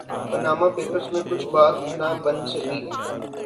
Panama papers میں کچھ بات نہ بن سکی۔